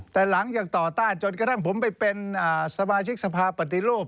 แต่หลังจากต่อต้านจนกระทั่งผมไปเป็นสมาชิกสภาปฏิรูป